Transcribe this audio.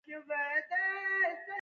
ملتونه د بېوزلۍ له امله نه مري